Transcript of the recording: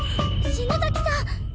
篠崎さん！